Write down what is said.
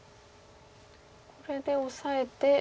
これでオサえて。